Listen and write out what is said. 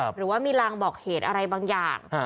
หรือว่ามีรางบอกเหตุอะไรบางอย่าง